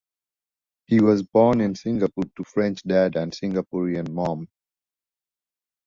He was born in Singapore to French dad and Singaporean mom.